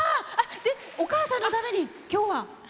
お母さんのために今日は。